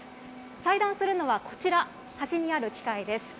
裁断するのはこちら、端にある機械です。